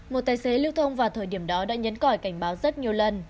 một tài xế lưu thông vào thời điểm đó đã nhấn còi cảnh báo rất nhiều lần